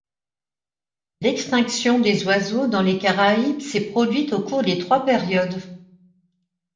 L'extinction des oiseaux dans les Caraïbes s'est produite au cours de trois périodes.